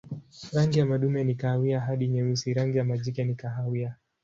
Rangi ya madume ni kahawia hadi nyeusi, rangi ya majike ni kahawia.